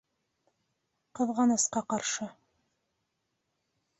Ҡыҙғанысҡа ҡаршы